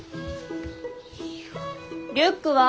リュックは？